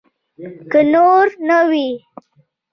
که نور نه وي.